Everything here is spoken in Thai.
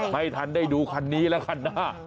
ไม่ทันได้ดูคันนี้แล้วคันหน้า